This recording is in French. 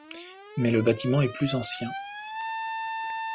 Mais le bâtiment est plus ancien.